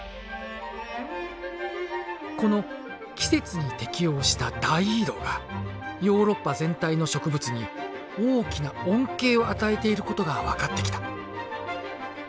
この季節に適応した大移動がヨーロッパ全体の植物に大きな恩恵を与えていることが分かってきた。